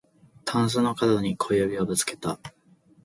たんすのかどに小指ぶつけた